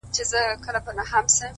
چا ويل ډېره سوخي كوي.